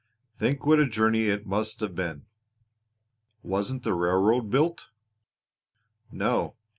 Think what a journey it must have been!" "Wasn't the railroad built?" "No.